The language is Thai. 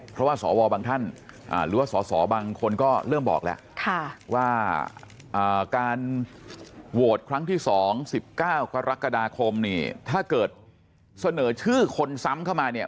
เพราะว่าสอวบางท่านหรือว่าสอบางคนก็เริ่มบอกแล้วว่าการโหวตครั้งที่๒๑๙กรกฎาคมเนี่ย